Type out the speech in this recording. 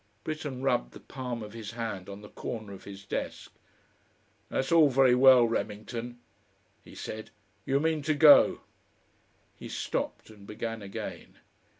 Britten rubbed the palm of his hand on the corner of his desk. "That's all very well, Remington," he said. "You mean to go." He stopped and began again.